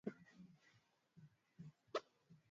Mtaalamu huyo alihusianisha uchumi wa bluu na uchumi wa kijani